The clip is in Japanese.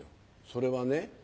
それはね